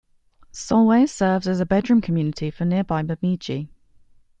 Solway serves as a bedroom community for nearby Bemidji.